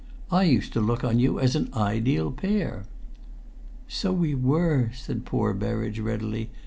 I used to look on you as an ideal pair." "So we were," said poor Berridge, readily.